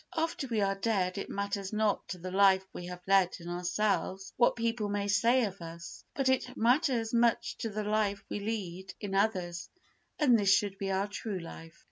After we are dead it matters not to the life we have led in ourselves what people may say of us, but it matters much to the life we lead in others and this should be our true life.